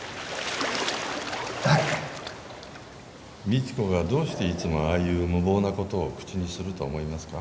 未知子がどうしていつもああいう無謀な事を口にすると思いますか？